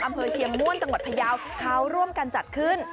อำเภอเชียงม่วนจังหวัดพยาวเขาร่วมกันจัดขึ้น